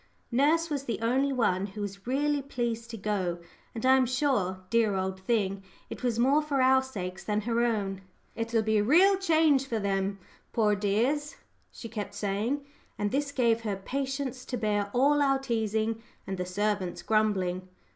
Nurse was the only one who was really pleased to go; and I am sure, dear old thing, it was more for our sakes than her own. "It'll be a real change for them, poor dears," she kept saying; and this gave her patience to bear all our teasing and the servants' grumbling.